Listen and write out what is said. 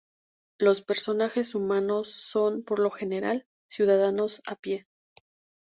Los personajes humanos son, por lo general, ciudadanos de a pie.